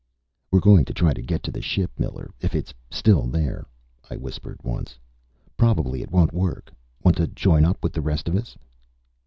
"We're going to try to get to the ship, Miller, if it's still there," I whispered once. "Probably it won't work. Want to join up with the rest of us?"